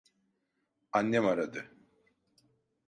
Annem aradı.